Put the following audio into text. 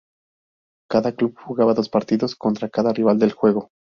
Cada club jugaba dos partidos contra cada rival del grupo.